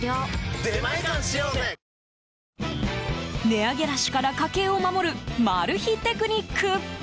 値上げラッシュから家計を守るマル秘テクニック。